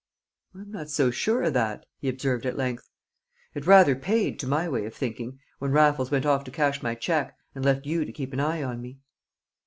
"I'm not so sure of that," he observed at length. "It rather paid, to my way of thinking, when Raffles went off to cash my cheque, and left you to keep an eye on me."